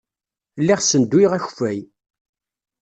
Lliɣ ssenduyeɣ akeffay.